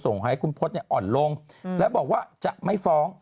ให้คุณพจน์อ่อนลงแล้วบอกว่าจะไม่ฟ้อง